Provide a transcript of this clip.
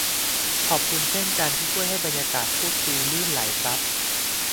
ขอบคุณเช่นกันที่ช่วยให้บรรยากาศพูดคุยลื่นไหลครับ